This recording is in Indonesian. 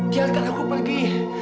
biarkan aku pergi